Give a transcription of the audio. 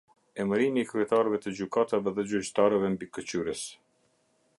Emërimi i Kryetarëve të Gjykatave dhe Gjyqtarëve Mbikëqyrës.